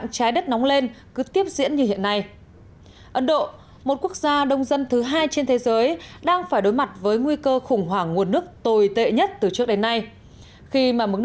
cho đến ngày hai mươi năm tháng riêng âm lịch hàng năm